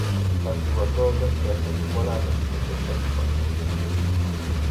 As dúas roldas chegan igualadas ao terceiro partido.